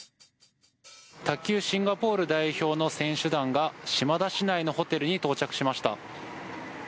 卓球シンガポール代表の選手団が島田市内のホテルに到着しました。